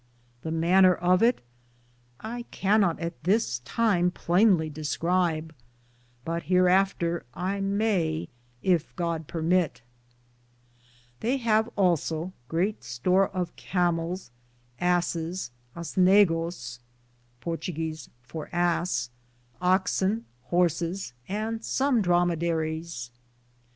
The maner of it I cannot at this time playnly discribe, but heareafter I may, yf God permitte. They have also greate store of Camels, assis, asnegoes,^ oxon, horsis, and som dromedaries.